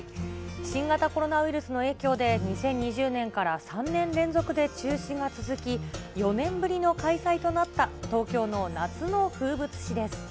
新型コロナウイルスの影響で、２０２０年から３年連続で中止が続き、４年ぶりの開催となった、東京の夏の風物詩です。